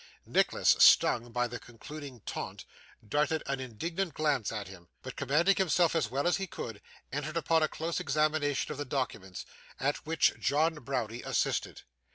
Nicholas, stung by the concluding taunt, darted an indignant glance at him; but commanding himself as well as he could, entered upon a close examination of the documents, at which John Browdie assisted.